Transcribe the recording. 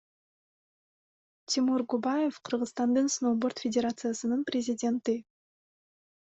Тимур Губаев — Кыргызстандын сноуборд федерациясынын президенти.